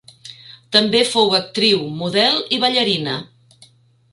També fou actriu, model i ballarina.